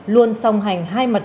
luôn song hành hai mặt trận